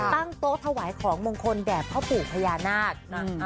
ตั้งโต๊ะถวายของมงคลแด่พ่อปู่พญานาค